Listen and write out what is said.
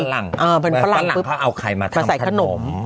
ฝรั่งฝรั่งเขาเอาไข่มาทำขนม